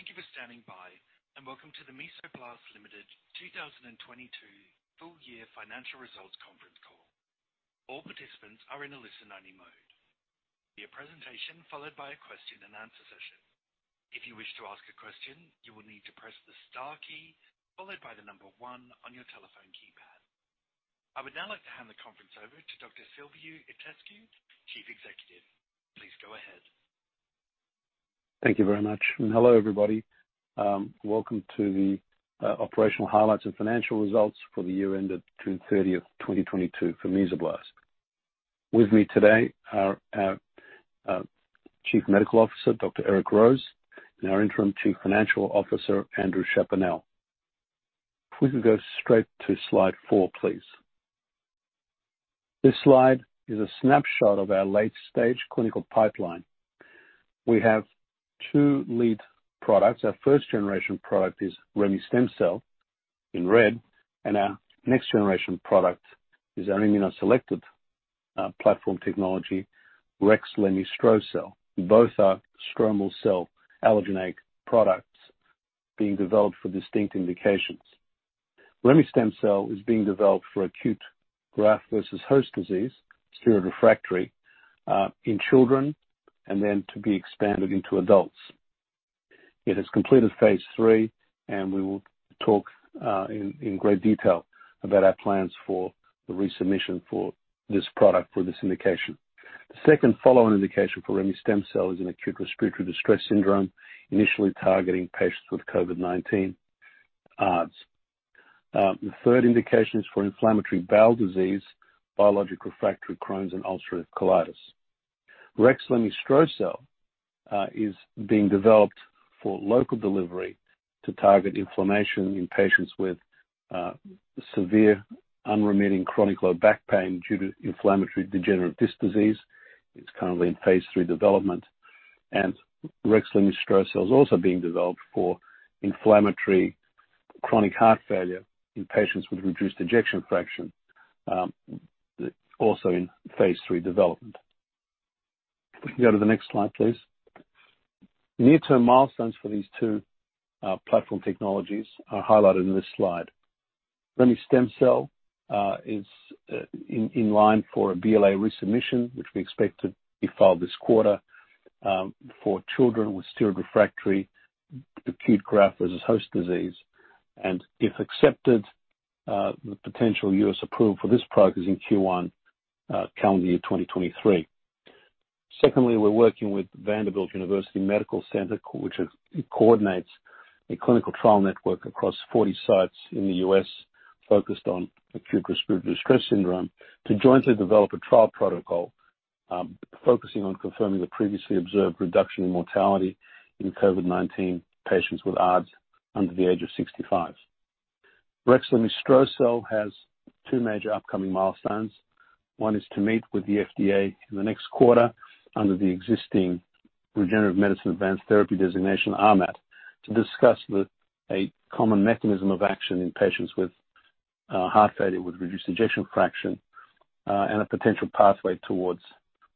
Thank you for standing by and welcome to the Mesoblast Limited 2022 full year financial results conference call. All participants are in a listen-only mode. There will be a presentation followed by a question-and-answer session. If you wish to ask a question, you will need to press the star key followed by the number one on your telephone keypad. I would now like to hand the conference over to Dr. Silviu Itescu, Chief Executive. Please go ahead. Thank you very much. Hello, everybody. Welcome to the operational highlights and financial results for the year ended June 30, 2022 for Mesoblast. With me today are our Chief Medical Officer, Dr. Eric Rose, and our interim Chief Financial Officer, Andrew Chaponnel. If we could go straight to slide four, please. This slide is a snapshot of our late-stage clinical pipeline. We have two lead products. Our first generation product is RYONCIL in red, and our next generation product is our immunoselected platform technology, rexlemestrocel-L. Both are stromal cell allogeneic products being developed for distinct indications. RYONCIL is being developed for acute graft-versus-host disease, steroid-refractory, in children, and then to be expanded into adults. It has completed phase 3, and we will talk in great detail about our plans for the resubmission for this product, for this indication. The second follow-on indication for RYONCIL is an acute respiratory distress syndrome, initially targeting patients with COVID-19 ARDS. The third indication is for inflammatory bowel disease, biologic-refractory Crohn's and ulcerative colitis. rexlemestrocel-L is being developed for local delivery to target inflammation in patients with severe unremitting chronic low back pain due to inflammatory degenerative disc disease. It's currently in phase three development. rexlemestrocel-L is also being developed for inflammatory chronic heart failure in patients with reduced ejection fraction, also in phase three development. If we can go to the next slide, please. Near-term milestones for these two platform technologies are highlighted in this slide. RYONCIL is in line for a BLA resubmission, which we expect to be filed this quarter, for children with steroid-refractory acute graft-versus-host disease. If accepted, the potential US approval for this product is in Q1, calendar year 2023. Secondly, we're working with Vanderbilt University Medical Center, which coordinates a clinical trial network across 40 sites in the US focused on acute respiratory distress syndrome, to jointly develop a trial protocol, focusing on confirming the previously observed reduction in mortality in COVID-19 patients with ARDS under the age of 65. rexlemestrocel-L has two major upcoming milestones. One is to meet with the FDA in the next quarter under the existing Regenerative Medicine Advanced Therapy designation, RMAT, to discuss with a common mechanism of action in patients with heart failure with reduced ejection fraction, and a potential pathway towards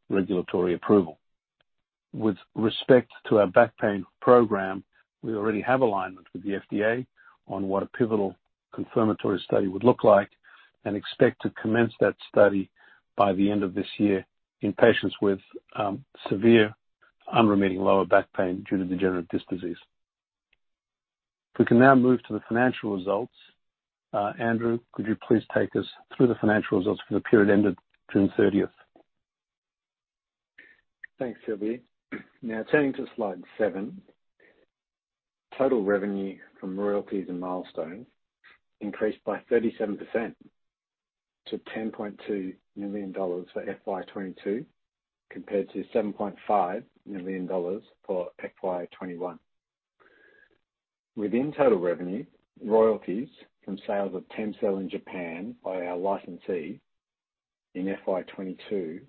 regulatory approval. With respect to our back pain program, we already have alignment with the FDA on what a pivotal confirmatory study would look like and expect to commence that study by the end of this year in patients with severe unremitting lower back pain due to degenerative disc disease. If we can now move to the financial results. Andrew, could you please take us through the financial results for the period ended June 30th? Thanks, Silviu. Now turning to slide seven. Total revenue from royalties and milestones increased by 37% to $10.2 million for FY 2022, compared to $7.5 million for FY 2021. Within total revenue, royalties from sales of TEMCELL in Japan by our licensee in FY 2022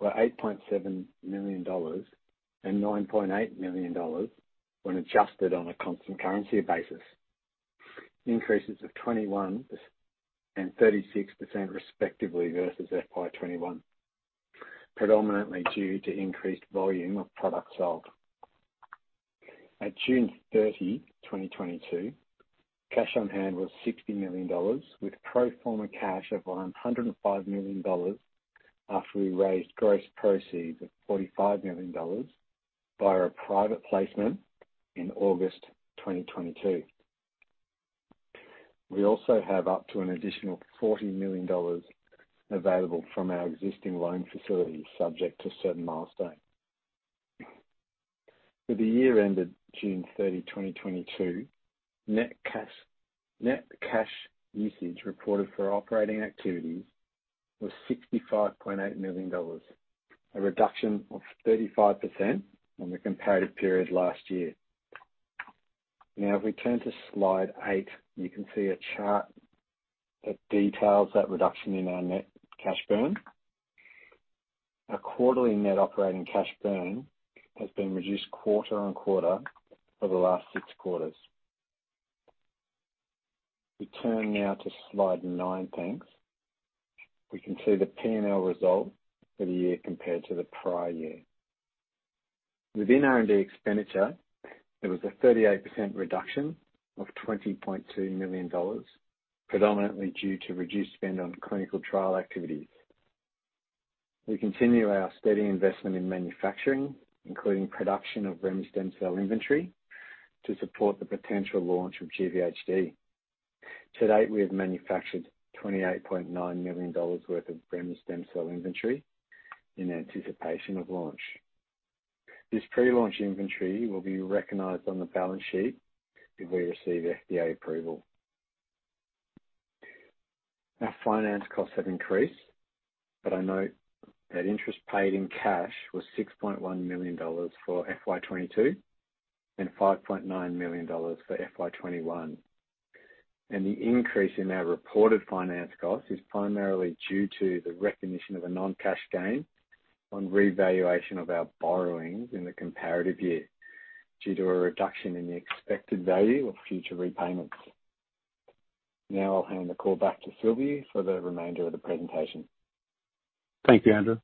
were $8.7 million and $9.8 million when adjusted on a constant currency basis. Increases of 21% and 36% respectively versus FY 2021, predominantly due to increased volume of products sold. At June 30, 2022, cash on hand was $60 million, with pro forma cash of $105 million after we raised gross proceeds of $45 million via a private placement in August 2022. We also have up to an additional $40 million available from our existing loan facility, subject to certain milestones. For the year ended June 30, 2022, net cash usage reported for operating activities was $65.8 million, a reduction of 35% on the comparative period last year. Now, if we turn to slide eight, you can see a chart that details that reduction in our net cash burn. Our quarterly net operating cash burn has been reduced quarter-on-quarter for the last six quarters. We turn now to slide nine, thanks. We can see the P&L result for the year compared to the prior year. Within R&D expenditure, there was a 38% reduction of $20.2 million, predominantly due to reduced spend on clinical trial activities. We continue our steady investment in manufacturing, including production of remestemcel-L inventory to support the potential launch of GVHD. To date, we have manufactured $28.9 million worth of remestemcel-L inventory in anticipation of launch. This pre-launch inventory will be recognized on the balance sheet if we receive FDA approval. Our finance costs have increased, but I note that interest paid in cash was $6.1 million for FY 2022 and $5.9 million for FY 2021. The increase in our reported finance cost is primarily due to the recognition of a non-cash gain on revaluation of our borrowings in the comparative year due to a reduction in the expected value of future repayments. Now I'll hand the call back to Silviu for the remainder of the presentation. Thank you, Andrew.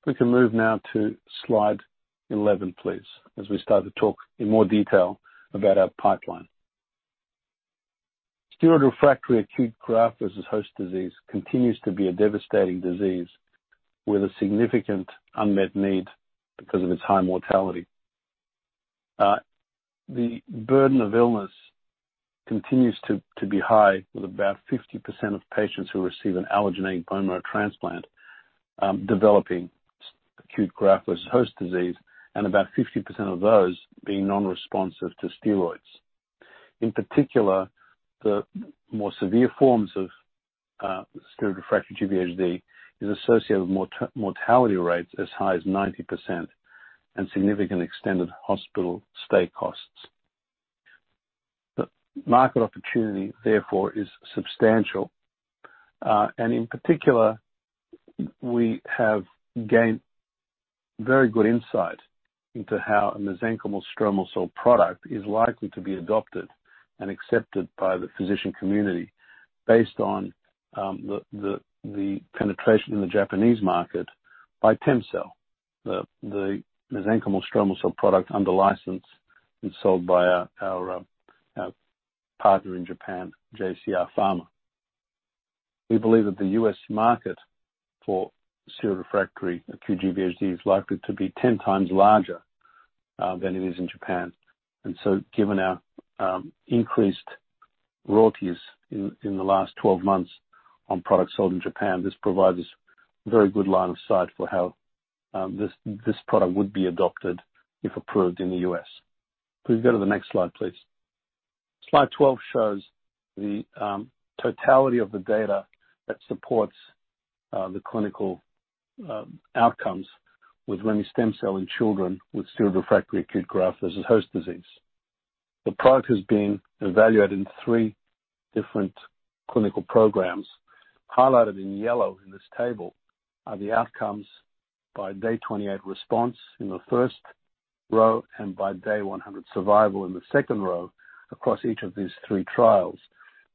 If we can move now to slide 11, please, as we start to talk in more detail about our pipeline. Steroid-refractory acute graft-versus-host disease continues to be a devastating disease with a significant unmet need because of its high mortality. The burden of illness continues to be high with about 50% of patients who receive an allogeneic bone marrow transplant developing acute graft-versus-host disease and about 50% of those being non-responsive to steroids. In particular, the more severe forms of steroid-refractory GVHD is associated with mortality rates as high as 90% and significant extended hospital stay costs. The market opportunity, therefore, is substantial. In particular, we have gained very good insight into how a mesenchymal stromal cell product is likely to be adopted and accepted by the physician community based on the penetration in the Japanese market by TEMCELL, the mesenchymal stromal cell product under license and sold by our partner in Japan, JCR Pharma. We believe that the US market for steroid-refractory, acute GVHD, is likely to be ten times larger than it is in Japan. Given our increased royalties in the last twelve months on products sold in Japan, this provides us very good line of sight for how this product would be adopted if approved in the US. Please go to the next slide, please. Slide 12 shows the totality of the data that supports the clinical outcomes with remestemcel-L in children with steroid-refractory acute graft-versus-host disease. The product is being evaluated in three different clinical programs. Highlighted in yellow in this table are the outcomes by day 28 response in the first row and by day 100 survival in the second row across each of these three trials.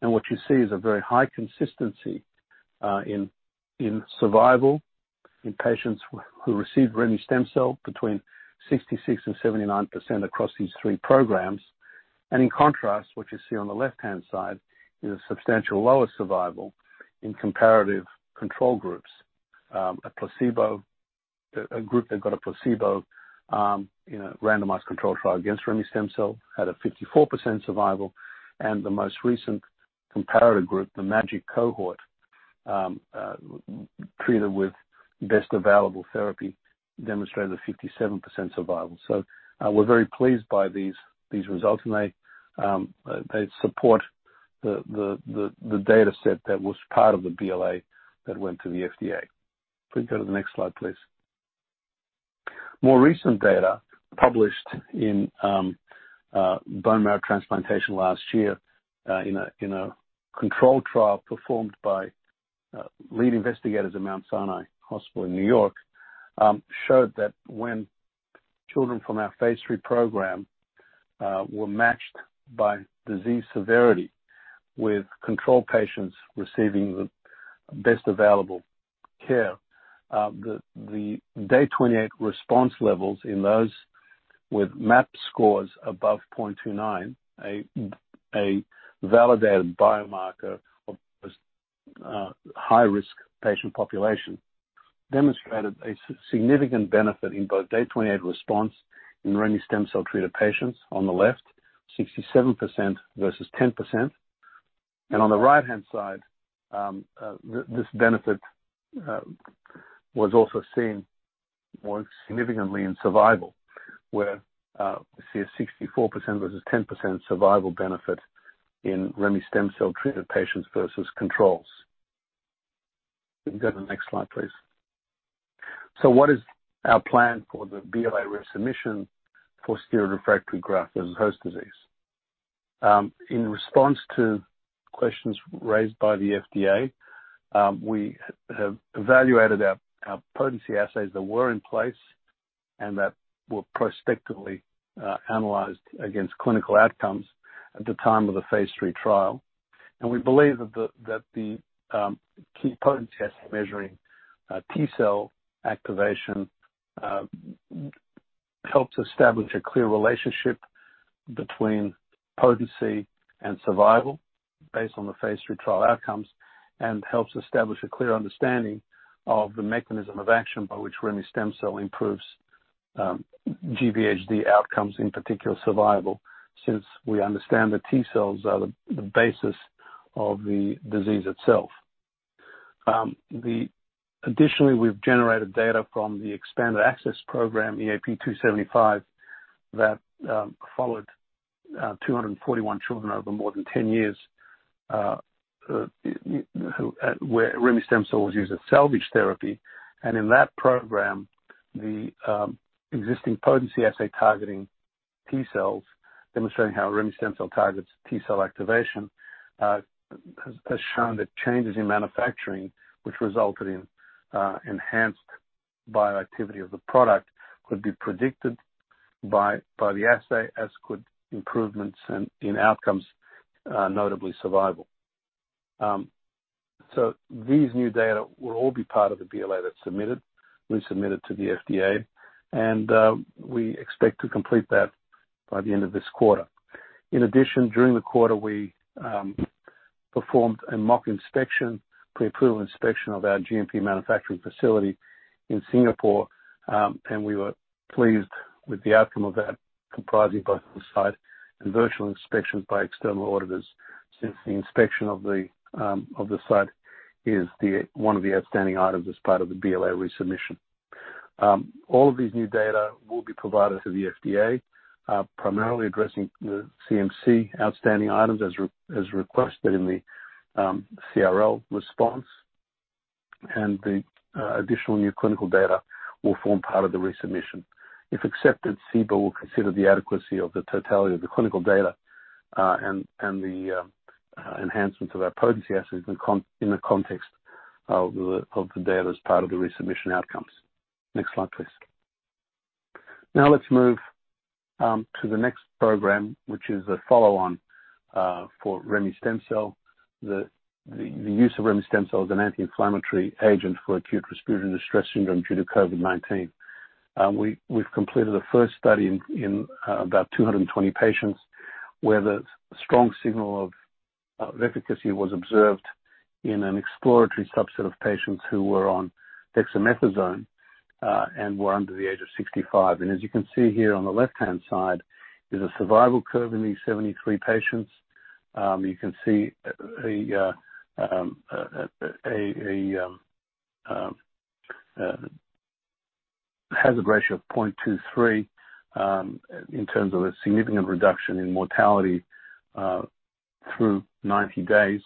What you see is a very high consistency in survival in patients who received remestemcel-L between 66%-79% across these three programs. In contrast, what you see on the left-hand side is a substantial lower survival in comparative control groups. A placebo group that got a placebo in a randomized controlled trial against remestemcel-L had a 54% survival. The most recent comparative group, the MAGIC cohort, treated with best available therapy, demonstrated a 57% survival. We're very pleased by these results, and they support the data set that was part of the BLA that went to the FDA. Please go to the next slide, please. More recent data published in Bone Marrow Transplantation last year in a control trial performed by lead investigators at Mount Sinai Hospital in New York showed that when children from our phase 3 program were matched by disease severity with control patients receiving the best available care, the day 28 response levels in those with MAP scores above 0.29, a validated biomarker of high-risk patient population, demonstrated a significant benefit in both day 28 response in remestemcel-L-treated patients on the left, 67% versus 10%. On the right-hand side, this benefit was also seen more significantly in survival, where we see a 64% versus 10% survival benefit in remestemcel-L-treated patients versus controls. Can we go to the next slide, please. What is our plan for the BLA resubmission for steroid-refractory graft-versus-host disease? In response to questions raised by the FDA, we have evaluated our potency assays that were in place and that were prospectively analyzed against clinical outcomes at the time of the phase 3 trial. We believe that the key potency assay measuring T-cell activation helps establish a clear relationship between potency and survival based on the phase 3 trial outcomes, and helps establish a clear understanding of the mechanism of action by which remestemcel-L improves GVHD outcomes, in particular survival, since we understand that T-cells are the basis of the disease itself. Additionally, we've generated data from the expanded access program, EAP275, that followed 241 children over more than 10 years where remestemcel-L was used as salvage therapy. In that program, the existing potency assay targeting T-cells, demonstrating how remestemcel-L targets T-cell activation, has shown that changes in manufacturing, which resulted in enhanced bioactivity of the product, could be predicted by the assay, as could improvements in outcomes, notably survival. These new data will all be part of the BLA that's submitted, resubmitted to the FDA, and we expect to complete that by the end of this quarter. In addition, during the quarter, we performed a mock inspection, pre-approval inspection of our GMP manufacturing facility in Singapore, and we were pleased with the outcome of that, comprising both on-site and virtual inspections by external auditors since the inspection of the site is one of the outstanding items as part of the BLA resubmission. All of these new data will be provided to the FDA, primarily addressing the CMC outstanding items as requested in the CRL response. The additional new clinical data will form part of the resubmission. If accepted, CBER will consider the adequacy of the totality of the clinical data and the enhancements of our potency assays in the context of the data as part of the resubmission outcomes. Next slide, please. Now let's move to the next program, which is a follow-on for remestemcel-L, the use of remestemcel-L as an anti-inflammatory agent for acute respiratory distress syndrome due to COVID-19. We've completed the first study in about 220 patients, where the strong signal of efficacy was observed in an exploratory subset of patients who were on dexamethasone and were under the age of 65. As you can see here on the left-hand side is a survival curve in these 73 patients. You can see a hazard ratio of 0.23 in terms of a significant reduction in mortality through 90 days.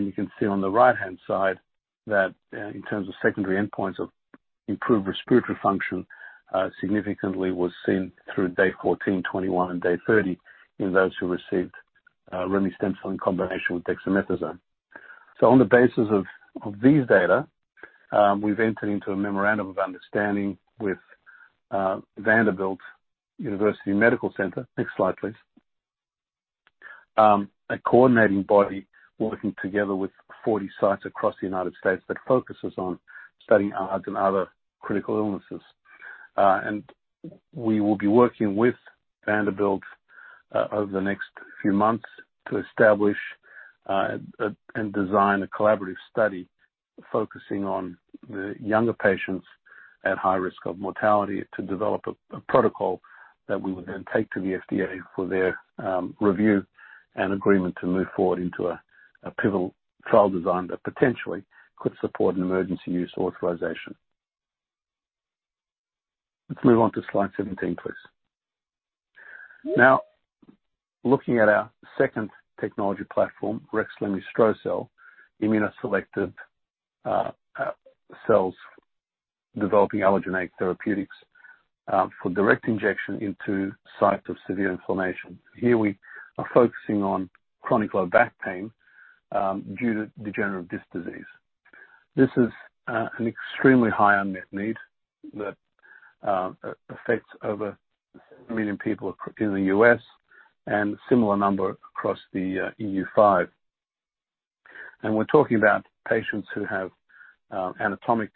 You can see on the right-hand side that in terms of secondary endpoints of improved respiratory function, significantly was seen through day 14, 21, and day 30 in those who received remestemcel-L in combination with dexamethasone. On the basis of these data, we've entered into a memorandum of understanding with Vanderbilt University Medical Center. Next slide, please. A coordinating body working together with 40 sites across the United States that focuses on studying ARDS and other critical illnesses. We will be working with Vanderbilt over the next few months to establish and design a collaborative study focusing on the younger patients at high risk of mortality to develop a protocol that we would then take to the FDA for their review and agreement to move forward into a pivotal trial design that potentially could support an emergency use authorization. Let's move on to slide 17, please. Now, looking at our second technology platform, rexlemestrocel-L, immunoselective cells developing allogeneic therapeutics for direct injection into sites of severe inflammation. Here we are focusing on chronic low back pain due to degenerative disc disease. This is an extremely high unmet need that affects over 1 million people across the US and similar number across the EU5. We're talking about patients who have anatomic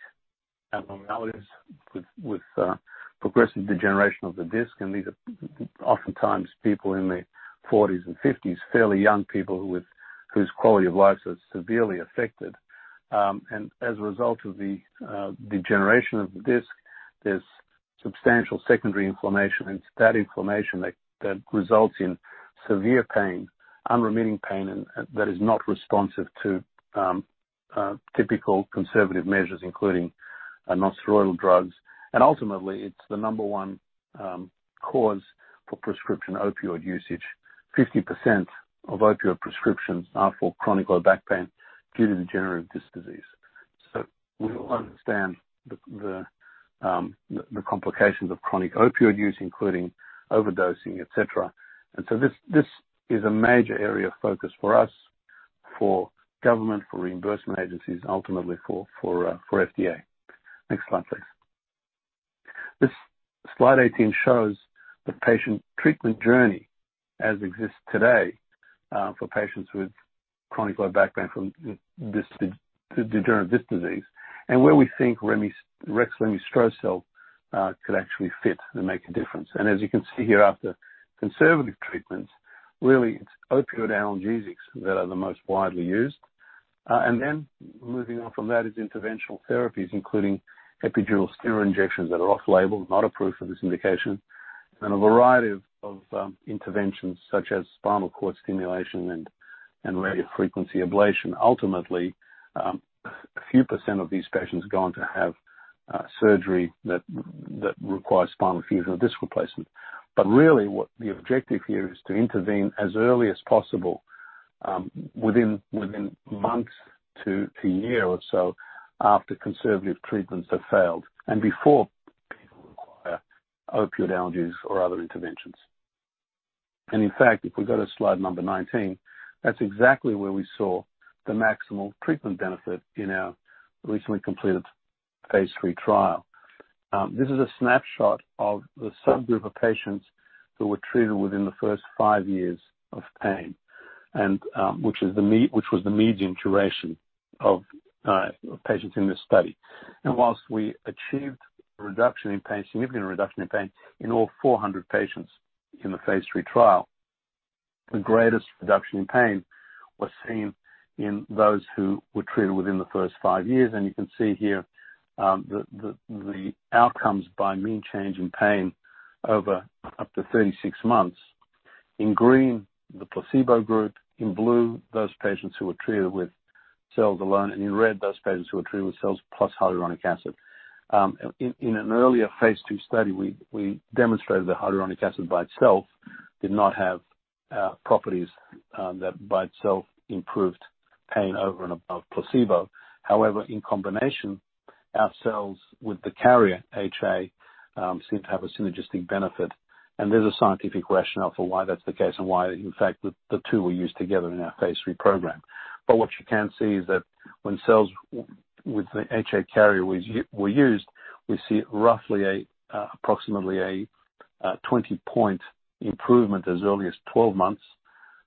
abnormalities with progressive degeneration of the disc, and these are oftentimes people in their forties and fifties, fairly young people whose quality of life is severely affected. As a result of the degeneration of the disc, there's substantial secondary inflammation. It's that inflammation that results in severe pain, unremitting pain and that is not responsive to typical conservative measures, including non-steroidal drugs. Ultimately, it's the number one cause for prescription opioid usage. 50% of opioid prescriptions are for chronic low back pain due to degenerative disc disease. We all understand the complications of chronic opioid use, including overdosing, et cetera. This is a major area of focus for us, for government, for reimbursement agencies, ultimately for FDA. Next slide, please. This slide 18 shows the patient treatment journey as exists today, for patients with chronic low back pain from degenerative disc disease, and where we think rexlemestrocel-L could actually fit and make a difference. As you can see here, after conservative treatments, really it's opioid analgesics that are the most widely used. Moving on from that is interventional therapies, including epidural steroid injections that are off-label, not approved for this indication. A variety of interventions such as spinal cord stimulation and radiofrequency ablation. Ultimately, a few percent of these patients are going to have surgery that requires spinal fusion or disc replacement. Really what the objective here is to intervene as early as possible, within months to a year or so after conservative treatments have failed and before people require opioid analgesics or other interventions. In fact, if we go to slide number 19, that's exactly where we saw the maximal treatment benefit in our recently completed phase 3 trial. This is a snapshot of the subgroup of patients who were treated within the first five years of pain and, which was the median duration of patients in this study. While we achieved a reduction in pain, significant reduction in pain in all 400 patients in the phase 3 trial, the greatest reduction in pain was seen in those who were treated within the first five years. You can see here, the outcomes by mean change in pain over up to 36 months. In green, the placebo group. In blue, those patients who were treated with cells alone. In red, those patients who were treated with cells plus hyaluronic acid. In an earlier phase 2 study, we demonstrated that hyaluronic acid by itself did not have properties that by itself improved pain over and above placebo. However, in combination, our cells with the carrier HA seem to have a synergistic benefit, and there's a scientific rationale for why that's the case and why in fact the two were used together in our phase 3 program. What you can see is that when cells with the HA carrier were used, we see roughly approximately a 20-point improvement as early as 12 months,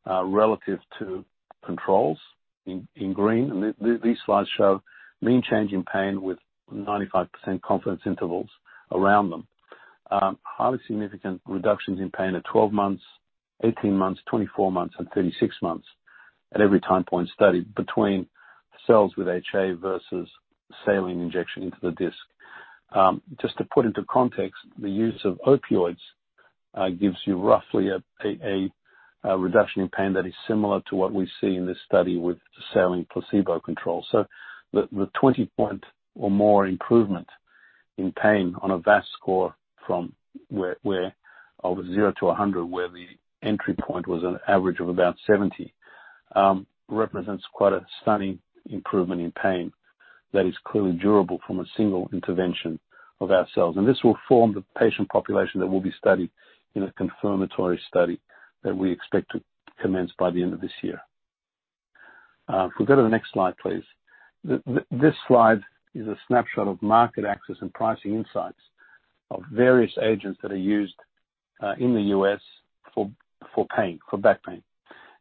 relative to controls in green. These slides show mean change in pain with 95% confidence intervals around them. Highly significant reductions in pain at 12 months, 18 months, 24 months and 36 months at every time point studied between cells with HA versus saline injection into the disc. Just to put into context, the use of opioids gives you roughly a reduction in pain that is similar to what we see in this study with the saline placebo control. The 20-point or more improvement in pain on a VAS score from where of zero to 100, where the entry point was an average of about 70, represents quite a stunning improvement in pain that is clearly durable from a single intervention of our cells. This will form the patient population that will be studied in a confirmatory study that we expect to commence by the end of this year. If we go to the next slide, please. This slide is a snapshot of market access and pricing insights of various agents that are used in the U.S. for back pain.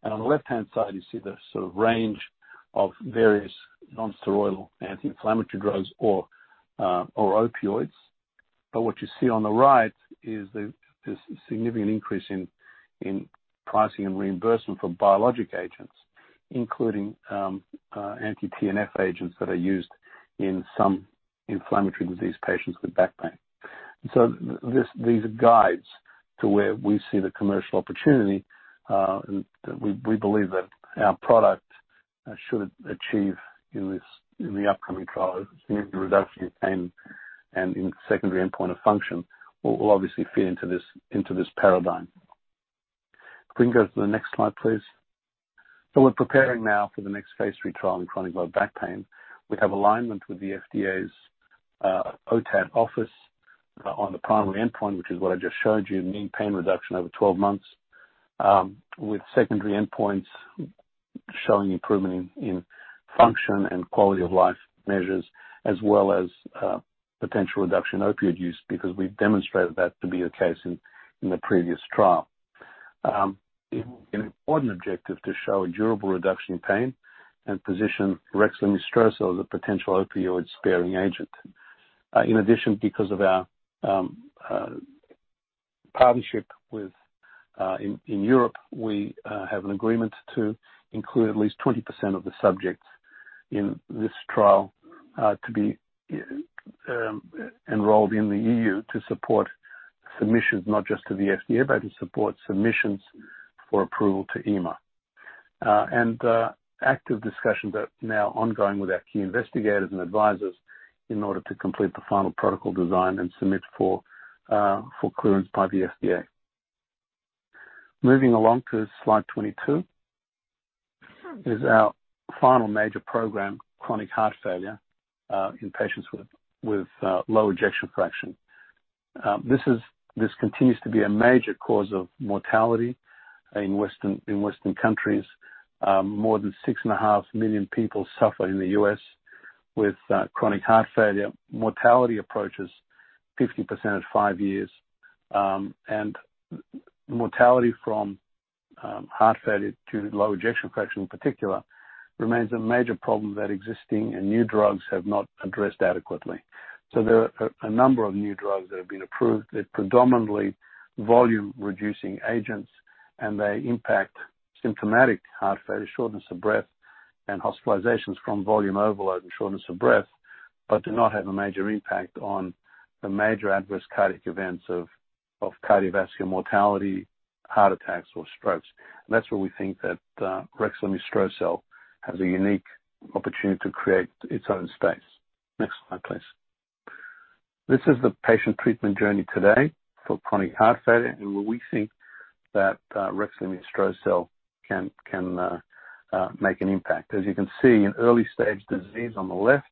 On the left-hand side, you see the sort of range of various nonsteroidal anti-inflammatory drugs or opioids. What you see on the right is this significant increase in pricing and reimbursement for biologic agents, including anti-TNF agents that are used in some inflammatory disease patients with back pain. These are guides to where we see the commercial opportunity, and we believe that our product should achieve in the upcoming trials significant reduction in pain and in secondary endpoint of function will obviously feed into this paradigm. If we can go to the next slide, please. We're preparing now for the next phase 3 trial in chronic low back pain. We have alignment with the FDA's OTAT office on the primary endpoint, which is what I just showed you, mean pain reduction over 12 months. With secondary endpoints showing improvement in function and quality of life measures as well as potential reduction in opioid use, because we've demonstrated that to be the case in the previous trial. It will be an important objective to show a durable reduction in pain and position rexlemestrocel-L as a potential opioid-sparing agent. In addition, because of our partnership within Europe, we have an agreement to include at least 20% of the subjects in this trial to be enrolled in the EU to support submissions, not just to the FDA, but to support submissions for approval to EMA. Active discussions are now ongoing with our key investigators and advisors in order to complete the final protocol design and submit for clearance by the FDA. Moving along to slide 22 is our final major program, chronic heart failure, in patients with low ejection fraction. This continues to be a major cause of mortality in Western countries. More than 6.5 million people suffer in the US with chronic heart failure. Mortality approaches 50% at five years, and mortality from heart failure with low ejection fraction in particular remains a major problem that existing and new drugs have not addressed adequately. There are a number of new drugs that have been approved. They're predominantly volume-reducing agents, and they impact symptomatic heart failure, shortness of breath, and hospitalizations from volume overload and shortness of breath, but do not have a major impact on the major adverse cardiac events of cardiovascular mortality, heart attacks or strokes. That's where we think that rexlemestrocel-L has a unique opportunity to create its own space. Next slide, please. This is the patient treatment journey today for chronic heart failure, and where we think that rexlemestrocel-L can make an impact. As you can see, in early-stage disease on the left,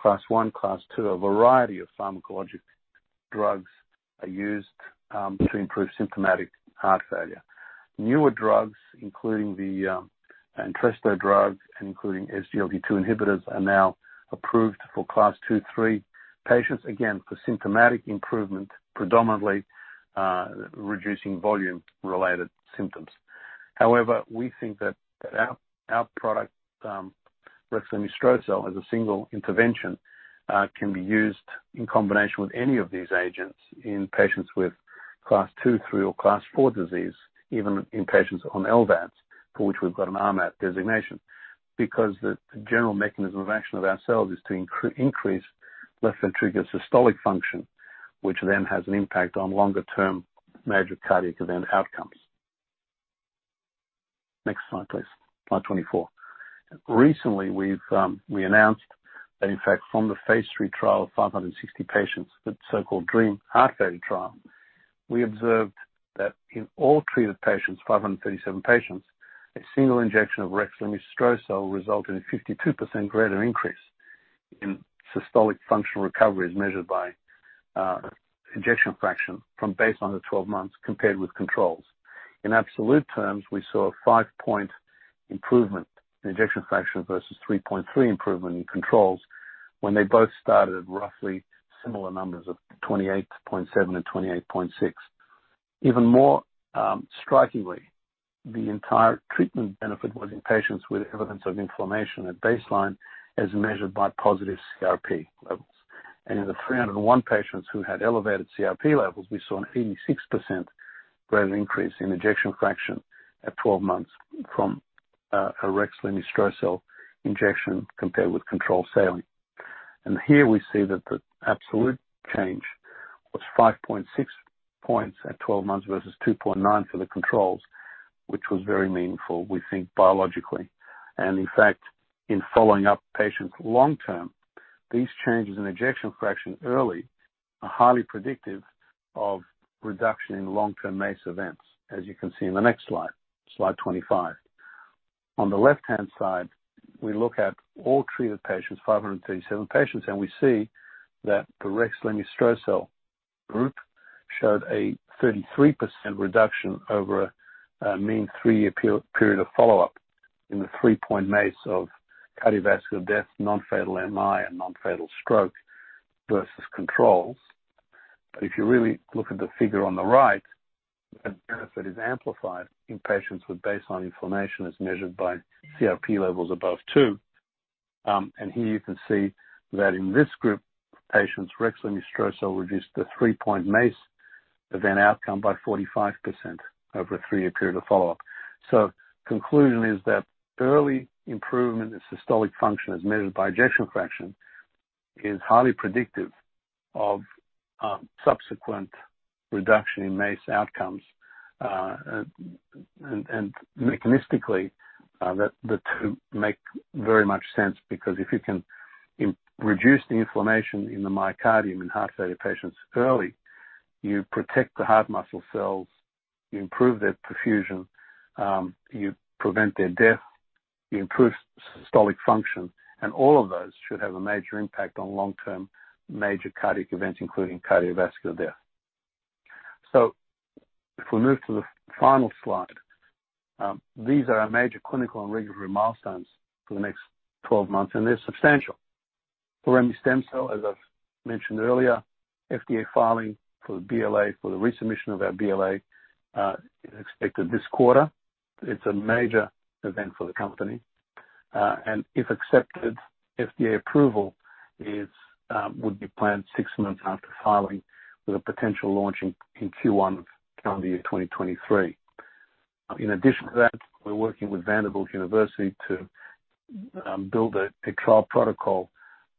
Class one, Class two, a variety of pharmacologic drugs are used to improve symptomatic heart failure. Newer drugs, including the Entresto drug and including SGLT2 inhibitors, are now approved for Class two-three patients, again, for symptomatic improvement, predominantly reducing volume-related symptoms. However, we think that our product rexlemestrocel-L, as a single intervention, can be used in combination with any of these agents in patients with Class two, three, or Class four disease, even in patients on LVADs, for which we've got an RMAT designation. Because the general mechanism of action of our cells is to increase left ventricular systolic function, which then has an impact on longer-term major cardiac event outcomes. Next slide, please. Slide 24. Recently, we announced that in fact from the phase 3 trial of 560 patients, that so-called DREAM-HF trial, we observed that in all treated patients, 537 patients, a single injection of rexlemestrocel-L resulted in a 52% greater increase in systolic functional recovery as measured by ejection fraction from baseline to 12 months compared with controls. In absolute terms, we saw a 5-point improvement in ejection fraction versus 3.3-point improvement in controls when they both started at roughly similar numbers of 28.7 and 28.6. Even more strikingly, the entire treatment benefit was in patients with evidence of inflammation at baseline as measured by positive CRP levels. In the 301 patients who had elevated CRP levels, we saw an 86% greater increase in ejection fraction at 12 months from a rexlemestrocel-L injection compared with controlled saline. Here we see that the absolute change was 5.6 points at 12 months versus 2.9 for the controls, which was very meaningful, we think, biologically. In fact, in following up patients long term, these changes in ejection fraction early are highly predictive of reduction in long-term MACE events, as you can see in the next slide 25. On the left-hand side, we look at all treated patients, 537 patients, and we see that the rexlemestrocel-L group showed a 33% reduction over a mean three-year per-period of follow-up in the 3-point MACE of cardiovascular death, non-fatal MI, and non-fatal stroke versus controls. If you really look at the figure on the right, that benefit is amplified in patients with baseline inflammation as measured by CRP levels above two. Here you can see that in this group of patients, rexlemestrocel-L reduced the 3-point MACE event outcome by 45% over a three-year period of follow-up. Conclusion is that early improvement in systolic function as measured by ejection fraction is highly predictive of subsequent reduction in MACE outcomes. Mechanistically, that, the two make very much sense because if you can reduce the inflammation in the myocardium in heart failure patients early, you protect the heart muscle cells, you improve their perfusion, you prevent their death, you improve systolic function, and all of those should have a major impact on long-term major cardiac events, including cardiovascular death. If we move to the final slide, these are our major clinical and regulatory milestones for the next 12 months, and they're substantial. For remestemcel-L, as I've mentioned earlier, FDA filing for the BLA, for the resubmission of our BLA, is expected this quarter. It's a major event for the company. If accepted, FDA approval is, would be planned 6 months after filing with a potential launch in Q1 of calendar year 2023. In addition to that, we're working with Vanderbilt University to build a trial protocol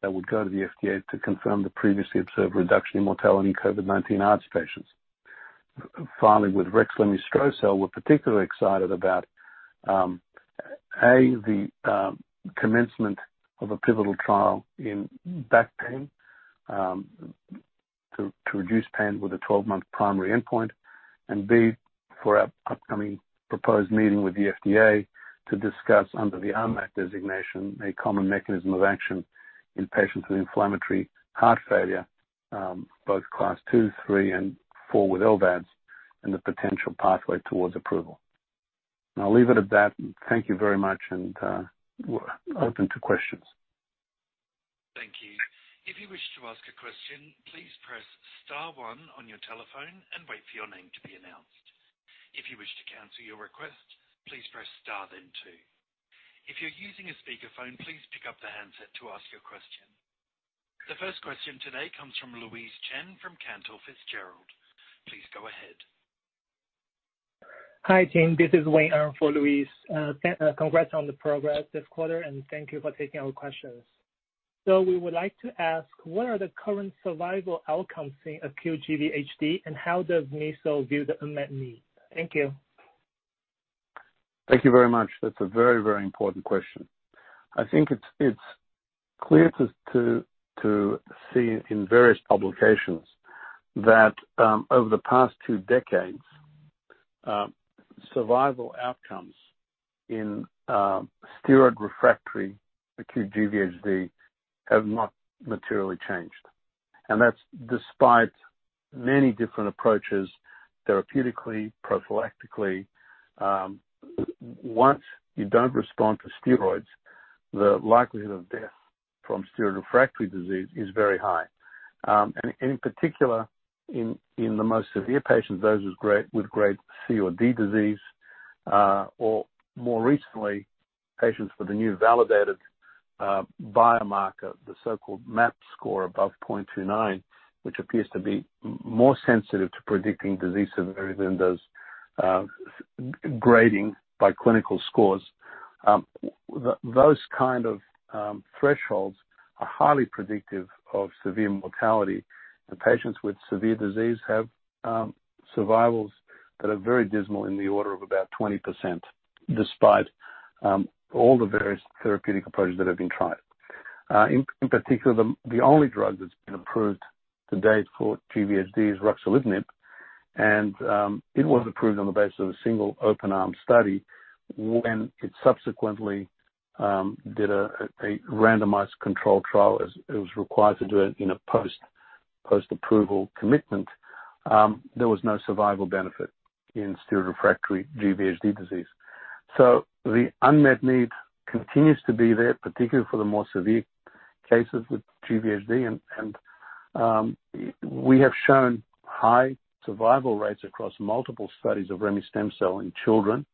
that would go to the FDA to confirm the previously observed reduction in mortality in COVID-19 ARDS patients. Finally, with rexlemestrocel-L, we're particularly excited about the commencement of a pivotal trial in back pain to reduce pain with a 12-month primary endpoint. For our upcoming proposed meeting with the FDA to discuss under the RMAT designation, a common mechanism of action in patients with inflammatory heart failure, both class two, three, and four with LVADs and the potential pathway towards approval. I'll leave it at that. Thank you very much, and we're open to questions. Thank you. If you wish to ask a question, please press star one on your telephone and wait for your name to be announced. If you wish to cancel your request, please press star then two. If you're using a speakerphone, please pick up the handset to ask your question. The first question today comes from Louise Chen from Cantor Fitzgerald. Please go ahead. Hi, team. This is Wayne Rothbaum for Louise. Congrats on the progress this quarter, and thank you for taking our questions. We would like to ask, what are the current survival outcomes in acute GVHD, and how does Mesoblast view the unmet need? Thank you. Thank you very much. That's a very, very important question. I think it's clear to see in various publications that over the past two decades survival outcomes in steroid-refractory acute GVHD have not materially changed. That's despite many different approaches therapeutically, prophylactically. Once you don't respond to steroids, the likelihood of death from steroid-refractory disease is very high. In particular, in the most severe patients, those with grade C or D disease or more recently, patients with a new validated biomarker, the so-called MAGIC score above 0.29, which appears to be more sensitive to predicting disease severity than those grading by clinical scores. Those kind of thresholds are highly predictive of severe mortality. The patients with severe disease have survivals that are very dismal in the order of about 20%, despite all the various therapeutic approaches that have been tried. In particular, the only drug that's been approved to date for GVHD is ruxolitinib, and it was approved on the basis of a single open-arm study when it subsequently did a randomized controlled trial, as it was required to do it in a post-approval commitment. There was no survival benefit in steroid-refractory GVHD disease. The unmet need continues to be there, particularly for the more severe cases with GVHD. We have shown high survival rates across multiple studies of remestemcel-L in children.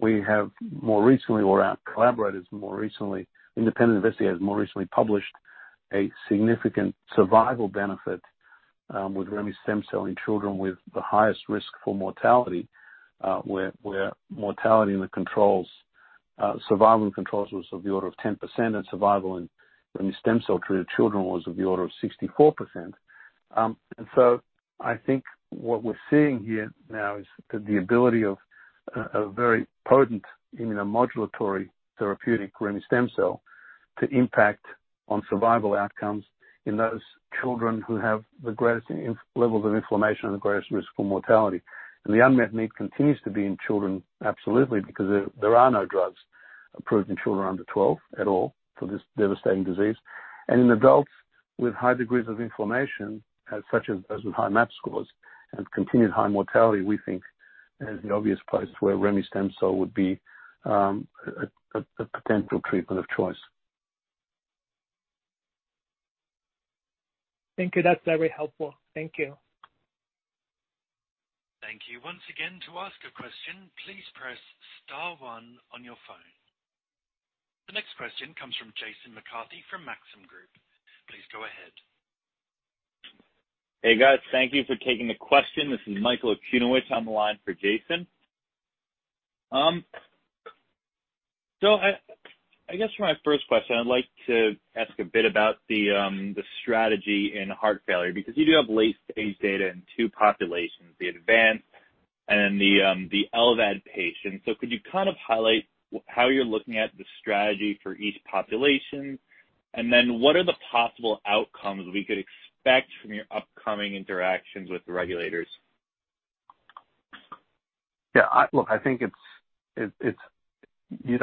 We have more recently, or our collaborators, independent investigators published a significant survival benefit with remestemcel-L in children with the highest risk for mortality, where survival in controls was of the order of 10%, and survival in remestemcel-L treated children was of the order of 64%. I think what we're seeing here now is the ability of a very potent immunomodulatory therapeutic remestemcel-L to impact on survival outcomes in those children who have the greatest levels of inflammation and the greatest risk for mortality. The unmet need continues to be in children, absolutely, because there are no drugs approved in children under twelve at all for this devastating disease. In adults with high degrees of inflammation, such as with high MAP scores and continued high mortality, we think is the obvious place where remestemcel-L would be a potential treatment of choice. Thank you. That's very helpful. Thank you. Thank you once again. To ask a question, please press star one on your phone. The next question comes from Jason McCarthy from Maxim Group. Please go ahead. Hey, guys. Thank you for taking the question. This is Michael Okunewitch on the line for Jason. I guess for my first question, I'd like to ask a bit about the strategy in heart failure, because you do have late-stage data in two populations, the advanced and the LVAD patients. Could you kind of highlight how you're looking at the strategy for each population? And then what are the possible outcomes we could expect from your upcoming interactions with the regulators? Yeah, Look, I think it's. You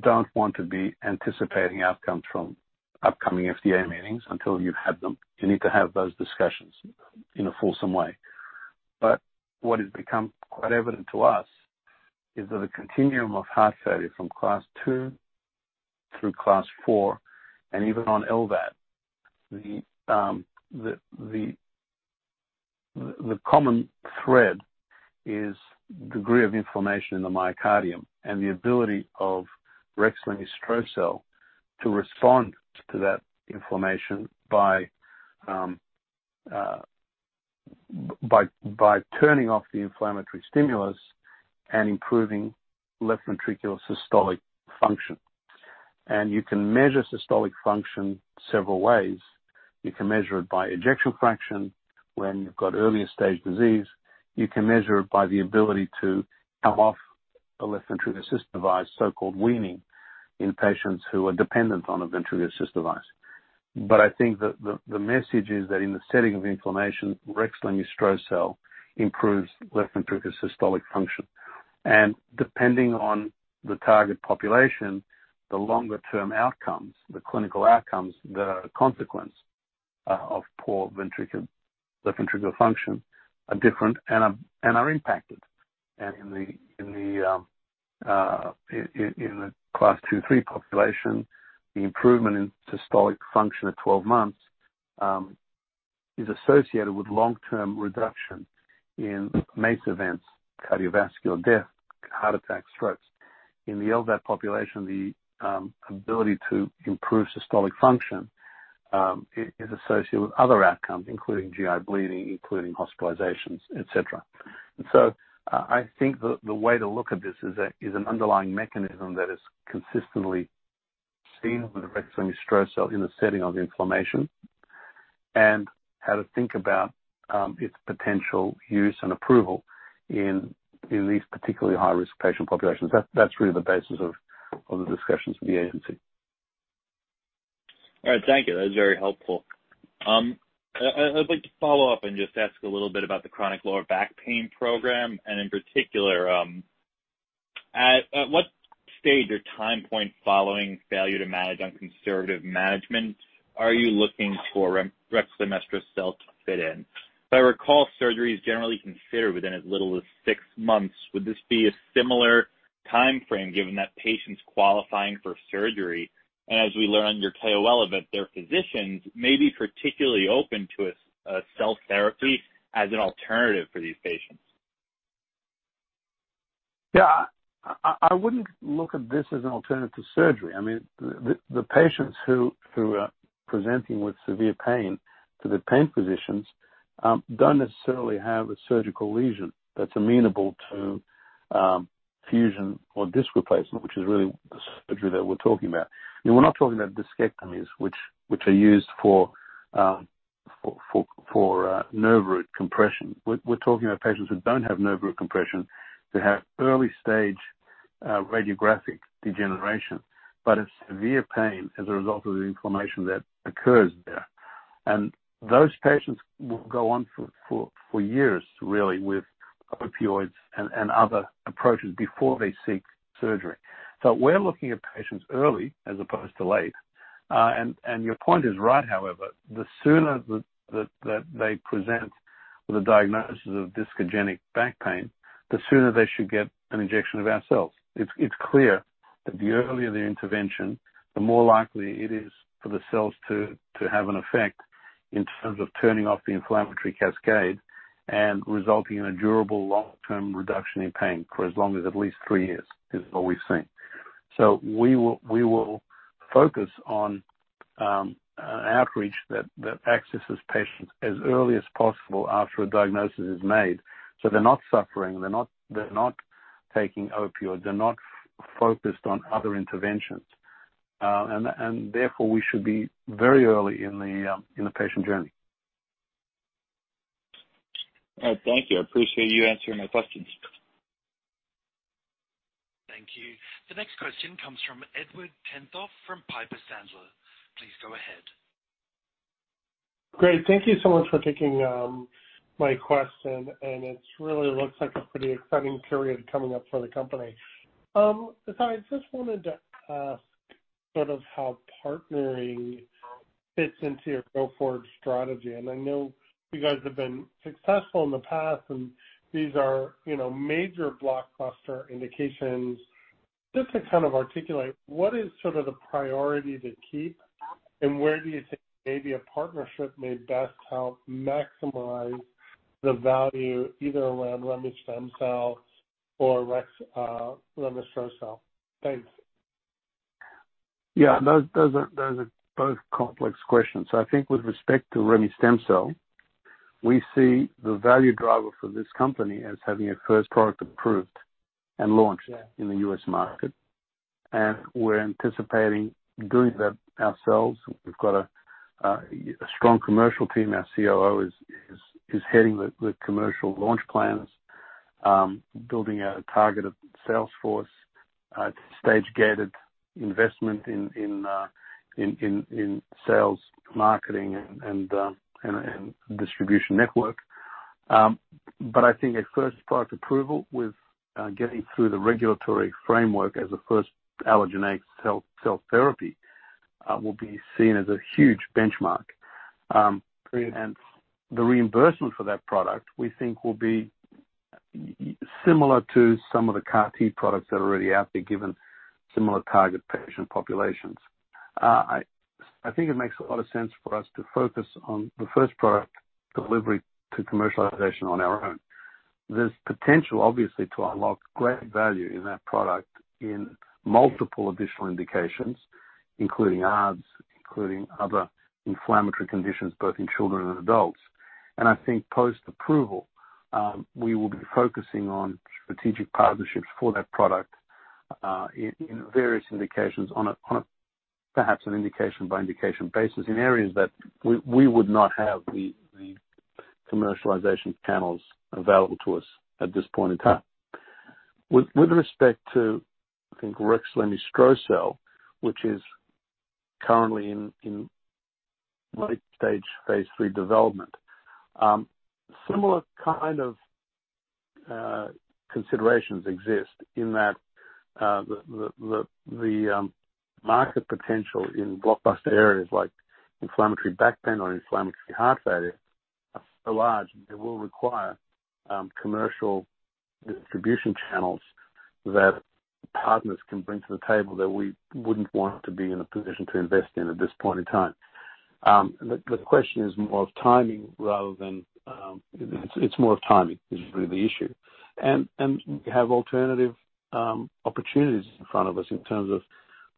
don't want to be anticipating outcomes from upcoming FDA meetings until you've had them. You need to have those discussions in a fulsome way. What has become quite evident to us is that a continuum of heart failure from class two through class four and even on LVAD, the common thread is degree of inflammation in the myocardium and the ability of rexlemestrocel-L to respond to that inflammation by turning off the inflammatory stimulus and improving left ventricular systolic function. You can measure systolic function several ways. You can measure it by ejection fraction when you've got earlier stage disease. You can measure it by the ability to come off a left ventricular assist device, so-called weaning, in patients who are dependent on a ventricular assist device. I think that the message is that in the setting of inflammation, rexlemestrocel-L improves left ventricular systolic function. Depending on the target population, the longer-term outcomes, the clinical outcomes that are a consequence of poor left ventricular function are different and are impacted. In the class two, three population, the improvement in systolic function at 12 months is associated with long-term reduction in MACE events, cardiovascular death, heart attacks, strokes. In the LVAD population, the ability to improve systolic function is associated with other outcomes, including GI bleeding, including hospitalizations, et cetera. I think the way to look at this is an underlying mechanism that is consistently seen with rexlemestrocel-L in the setting of inflammation, and how to think about its potential use and approval in these particularly high-risk patient populations. That's really the basis of the discussions with the agency. All right. Thank you. That was very helpful. I'd like to follow up and just ask a little bit about the chronic low back pain program, and in particular, at what stage or time point following failure to manage on conservative management are you looking for rexlemestrocel-L to fit in? If I recall, surgery is generally considered within as little as six months. Would this be a similar timeframe, given that patients qualifying for surgery, and as we learned, their physicians may be particularly open to a cell therapy as an alternative for these patients? Yeah. I wouldn't look at this as an alternative to surgery. I mean, the patients who are presenting with severe pain to the pain physicians don't necessarily have a surgical lesion that's amenable to fusion or disc replacement, which is really the surgery that we're talking about. I mean, we're not talking about discectomy, which are used for nerve root compression. We're talking about patients who don't have nerve root compression, that have early stage radiographic degeneration, but have severe pain as a result of the inflammation that occurs there. Those patients will go on for years, really, with opioids and other approaches before they seek surgery. We're looking at patients early as opposed to late. Your point is right, however, the sooner that they present with a diagnosis of discogenic back pain, the sooner they should get an injection of our cells. It's clear that the earlier the intervention, the more likely it is for the cells to have an effect in terms of turning off the inflammatory cascade and resulting in a durable long-term reduction in pain, for as long as at least three years, is what we've seen. We will focus on an outreach that accesses patients as early as possible after a diagnosis is made, so they're not suffering, they're not taking opioids, they're not focused on other interventions. Therefore, we should be very early in the patient journey. All right. Thank you. I appreciate you answering my questions. Thank you. The next question comes from Edward Tenthoff from Piper Sandler. Please go ahead. Great. Thank you so much for taking my question, and it really looks like a pretty exciting period coming up for the company. Besides, I just wanted to ask sort of how partnering fits into your go-forward strategy. I know you guys have been successful in the past, and these are, you know, major blockbuster indications. Just to kind of articulate, what is sort of the priority to keep, and where do you think maybe a partnership may best help maximize the value either around remestemcel-L or rexlemestrocel-L? Thanks. Yeah. Those are both complex questions. I think with respect to remestemcel-L, we see the value driver for this company as having a first product approved and launched. Yeah. In the U.S. market. We're anticipating doing that ourselves. We've got a strong commercial team. Our COO is heading the commercial launch plans, building a targeted sales force, stage-gated investment in sales, marketing, and distribution network. I think a first product approval with getting through the regulatory framework as a first allogeneic cell therapy will be seen as a huge benchmark. Agreed. The reimbursement for that product, we think will be similar to some of the CAR T products that are already out there, given similar target patient populations. I think it makes a lot of sense for us to focus on the first product delivery to commercialization on our own. There's potential, obviously, to unlock great value in that product in multiple additional indications, including ARDS, including other inflammatory conditions, both in children and adults. I think post-approval, we will be focusing on strategic partnerships for that product, in various indications on a perhaps an indication by indication basis in areas that we would not have the commercialization channels available to us at this point in time. With respect to, I think rexlemestrocel-L, which is currently in late-stage phase 3 development, similar kind of considerations exist in that the market potential in blockbuster areas like inflammatory back pain or inflammatory heart failure are so large they will require commercial distribution channels that partners can bring to the table that we wouldn't want to be in a position to invest in at this point in time. The question is more of timing rather than it's more of timing is really the issue. We have alternative opportunities in front of us in terms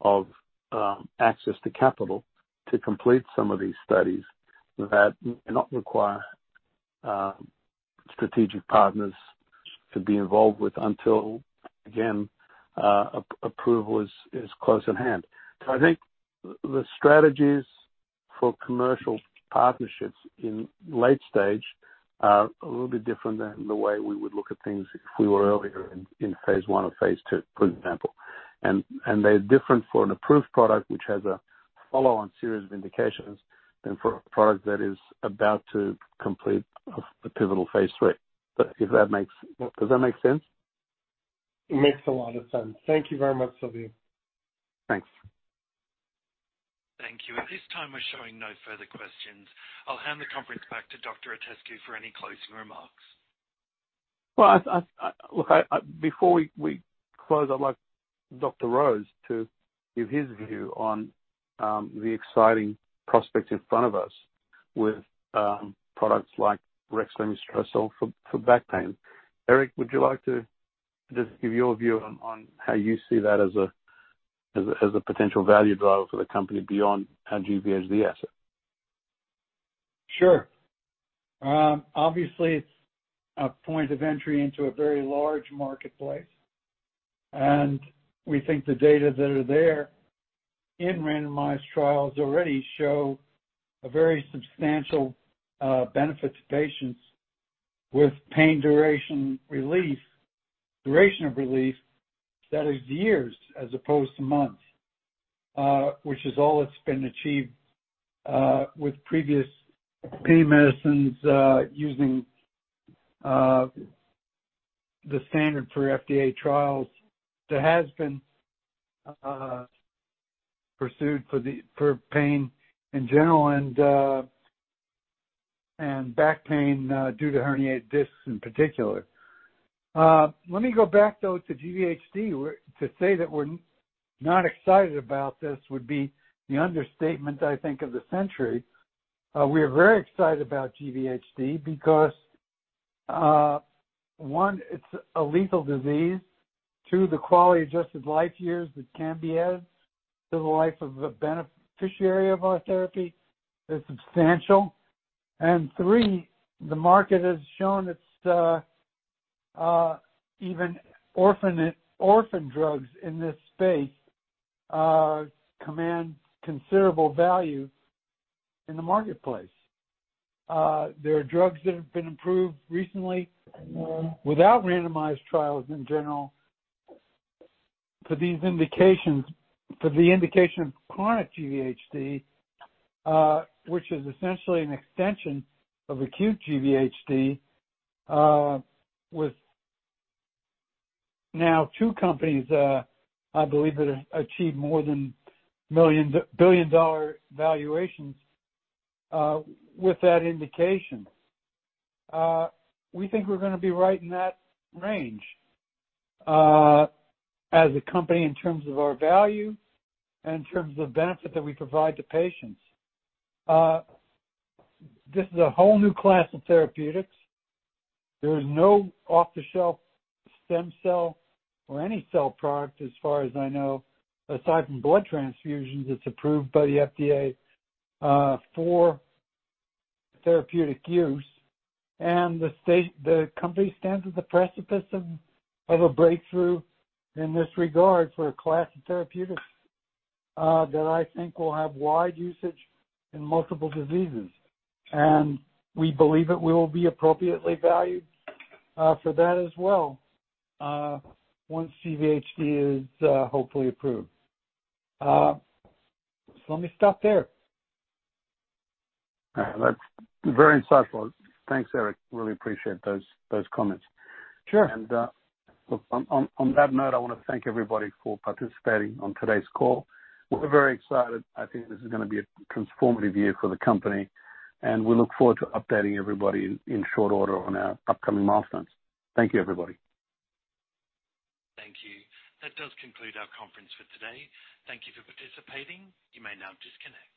of access to capital to complete some of these studies that may not require strategic partners to be involved with until approval is close at hand. I think the strategies for commercial partnerships in late stage are a little bit different than the way we would look at things if we were earlier in phase 1 or phase 2, for example. They're different for an approved product, which has a follow-on series of indications, than for a product that is about to complete a pivotal phase 3. Does that make sense? It makes a lot of sense. Thank you very much, Silviu. Thanks. Thank you. At this time, we're showing no further questions. I'll hand the conference back to Dr. Silviu Itescu for any closing remarks. Look, before we close, I'd like Dr. Rose to give his view on the exciting prospects in front of us with products like rexlemestrocel-L for back pain. Eric, would you like to just give your view on how you see that as a potential value driver for the company beyond our GVHD asset? Sure. Obviously it's a point of entry into a very large marketplace. We think the data that are there in randomized trials already show a very substantial benefit to patients with pain duration relief, duration of relief that is years as opposed to months, which is all that's been achieved with previous pain medicines, using the standard for FDA trials that has been pursued for pain in general and back pain due to herniated discs in particular. Let me go back, though, to GVHD. To say that we're not excited about this would be the understatement, I think, of the century. We are very excited about GVHD because one, it's a lethal disease. Two, the quality adjusted life years that can be added to the life of the beneficiary of our therapy is substantial. Three, the market has shown it's even orphan drugs in this space command considerable value in the marketplace. There are drugs that have been approved recently without randomized trials in general for these indications, for the indication of chronic GVHD, which is essentially an extension of acute GVHD, with now two companies, I believe that have achieved more than millions, billion-dollar valuations, with that indication. We think we're gonna be right in that range, as a company in terms of our value and in terms of the benefit that we provide to patients. This is a whole new class of therapeutics. There is no off-the-shelf stem cell or any cell product as far as I know, aside from blood transfusions, that's approved by the FDA for therapeutic use. The company stands at the precipice of a breakthrough in this regard for a class of therapeutics that I think will have wide usage in multiple diseases. We believe it will be appropriately valued for that as well once GVHD is hopefully approved. Let me stop there. All right. That's very insightful. Thanks, Eric. Really appreciate those comments. Sure. Look, on that note, I wanna thank everybody for participating on today's call. We're very excited. I think this is gonna be a transformative year for the company, and we look forward to updating everybody in short order on our upcoming milestones. Thank you, everybody. Thank you. That does conclude our conference for today. Thank you for participating. You may now disconnect.